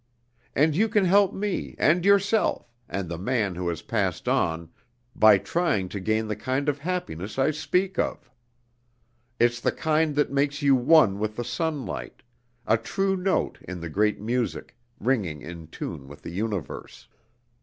And you can help me, and yourself, and the man who has passed on, by trying to gain the kind of happiness I speak of. It's the kind that makes you one with the sunlight, a true note in the great music, ringing in tune with the universe.